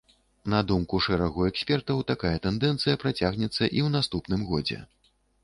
На думку шэрагу экспертаў, такая тэндэнцыя працягнецца і ў наступным годзе.